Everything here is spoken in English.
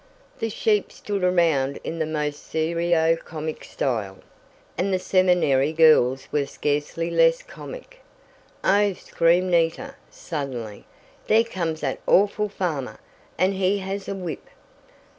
The sheep stood around in the most serio comic style, and the seminary girls were scarcely less comic. "Oh!" screamed Nita, suddenly, "there comes that awful farmer! And he has a whip!"